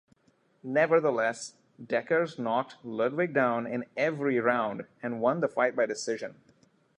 Nevertheless, Dekkers knocked Ludwig down in every round, and won the fight by decision.